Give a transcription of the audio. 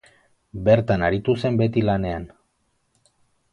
Bertan aritu zen beti lanean.